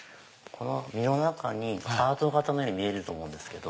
実の中ハート形のように見えると思うんですけど。